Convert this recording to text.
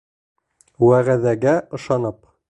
ВӘҒӘҘӘГӘ ЫШАНЫП